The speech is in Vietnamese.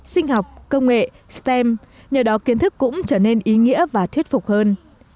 sinh học công nghệ stem nhờ đó kiến thức cũng trở nên ý nghĩa và thuyết phục hơn